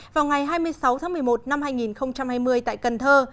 vào ngày hai mươi sáu tháng một mươi một năm hai nghìn hai mươi tại cần thơ